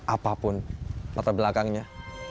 apapun mata belakangnya